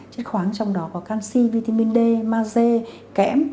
chất khoáng trong đó có canxi vin d maze kẽm